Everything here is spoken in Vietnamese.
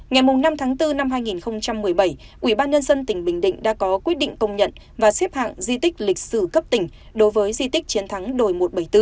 ngày năm tháng bốn năm hai nghìn một mươi bảy ubnd tỉnh bình định đã có quyết định công nhận và xếp hạng di tích lịch sử cấp tỉnh đối với di tích chiến thắng đồi một trăm bảy mươi bốn